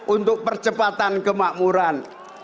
untuk percepatan kemakmuran